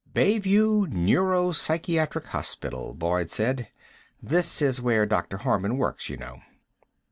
"Bayview Neuropsychiatric Hospital," Boyd said. "This is where Dr. Harman works, you know."